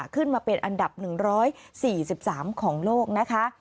ขึ้นมาเป็นอันดับ๑๔๓ของโลกนะคะ